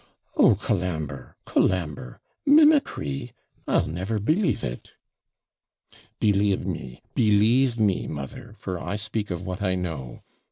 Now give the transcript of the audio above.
'Oh, Colambre! Colambre! mimickry I'll never believe it.' 'Believe me believe me, mother; for I speak of what I know.